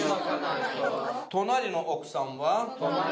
隣の奥さんは。